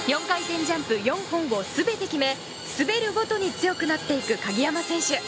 ４回転ジャンプ４本を全て決め滑るごとに強くなっていく鍵山選手。